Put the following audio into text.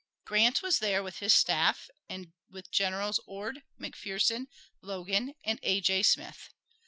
Grant was there with his staff and with Generals Ord, McPherson, Logan, and A. J. Smith.